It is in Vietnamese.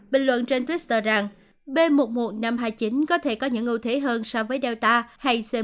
bình luận trên twitter rằng b một một năm trăm hai mươi chín có thể có những ưu thế hơn so với delta hay c một hai